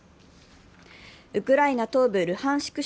ウクライナ東部ルハンシク